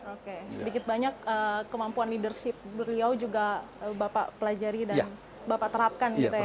oke sedikit banyak kemampuan leadership beliau juga bapak pelajari dan bapak terapkan gitu ya